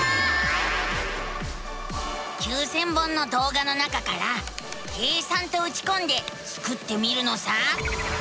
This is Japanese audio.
９，０００本のどうがの中から「計算」とうちこんでスクってみるのさ。